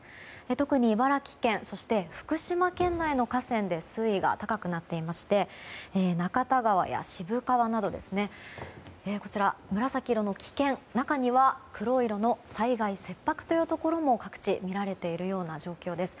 特に茨城県そして福島県内の河川で水位が高くなっていまして中田川や渋川など紫色の危険、中には黒色の災害切迫というところも各地、見られているような状況です。